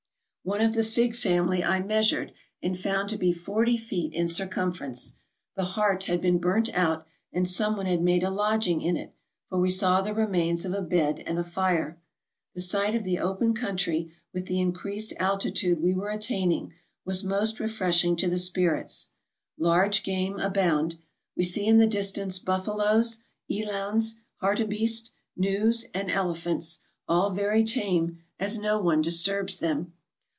One of the fig family I measured, and found to be forty feet in circum ference ; the heart had been burnt out, and some one had made a lodging in it, for we saw the remains of a bed and a fire. The sight of the open country, with the increased altitude we were attaining, was most refreshing to the spirits. Large game abound. We see in the distance buffaloes, elands, hartebeest, gnus, and elephants, all very tame, as no one disturbs them.